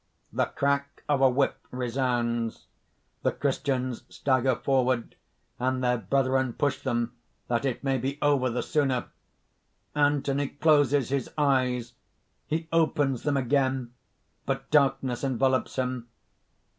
_ _The crack of a whip resounds. The Christians stagger forward; and their brethren push them, that it may be over the sooner._ Anthony closes his eyes. _He opens them again. But darkness envelopes him.